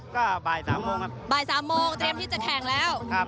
ก็บ่าย๓โมงครับบ่าย๓โมงเตรียมที่จะแข่งแล้ว